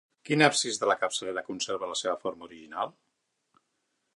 Quin absis de la capçalera conserva la seva forma original?